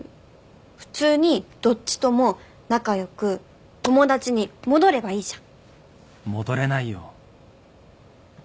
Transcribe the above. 普通にどっちとも仲良く友達に戻ればいいじゃん。